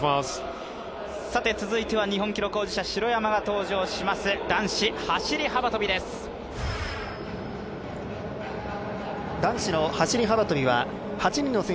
続いては日本記録保持者城山が登場します、男子走り幅跳びです。